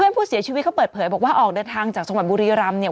ผู้เสียชีวิตเขาเปิดเผยบอกว่าออกเดินทางจากจังหวัดบุรีรำเนี่ย